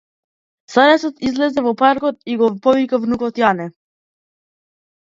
Старецот излезе во паркот и го повика внукот Јане.